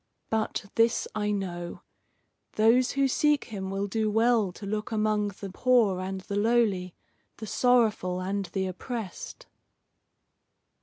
But this I know. Those who seek him will do well to look among the poor and the lowly, the sorrowful and the oppressed."